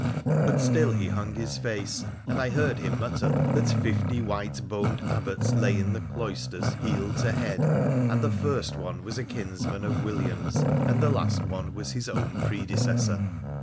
But still he hung his face, and I heard him mutter that fifty white boned Abbots lay in the cloisters, heel to head, and the first one was a kinsman of William's, and the last was his own predecessor.